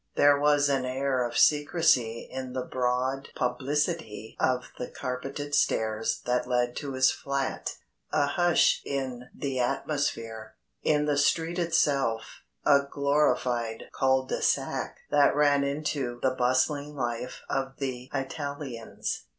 There was an air of secrecy in the broad publicity of the carpeted stairs that led to his flat; a hush in the atmosphere; in the street itself, a glorified cul de sac that ran into the bustling life of the Italiens.